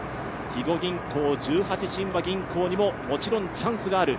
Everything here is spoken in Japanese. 肥後銀行、十八親和銀行にももちろんチャンスがある。